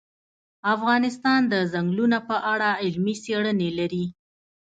افغانستان د ځنګلونه په اړه علمي څېړنې لري.